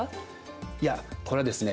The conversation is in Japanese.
いやこれはですね